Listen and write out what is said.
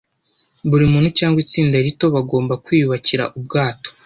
Buri muntu cyangwa itsinda rito bagombaga kwiyubakira ubwato.